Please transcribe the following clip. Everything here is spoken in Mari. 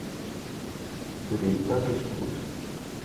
Тӱредма гыч толешат